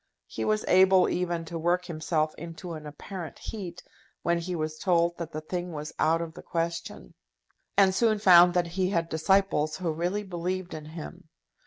He was able even to work himself into an apparent heat when he was told that the thing was out of the question; and soon found that he had disciples who really believed in him.